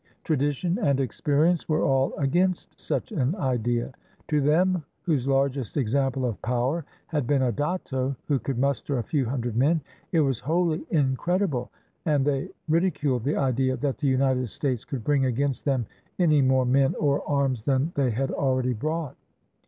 Tradition and experience were all against such an idea. To them, whose largest example of power had been a datto who could muster a few hundred men, it was wholly in credible, and they ridiculed the idea, that the United States could bring against them any more men or arms than they had already brought.